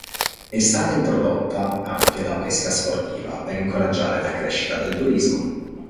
È stata introdotta anche la pesca sportiva, per incoraggiare la crescita del turismo.